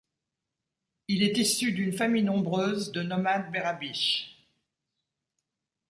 Il est issu d'une famille nombreuse de nomades berabiches.